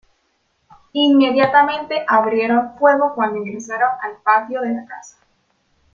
Inmediatamente abrieron fuego cuando ingresaron al patio de la casa.